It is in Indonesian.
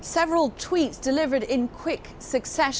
beberapa tweet yang diberikan dengan cepat